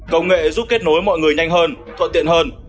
công nghệ giúp kết nối mọi người nhanh hơn thuận tiện hơn